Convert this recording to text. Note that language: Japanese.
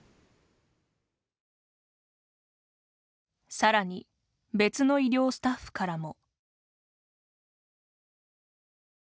さらに別の医療スタッフからも。